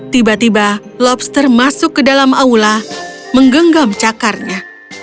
tiba tiba lobster masuk ke dalam aula menggenggam cakarnya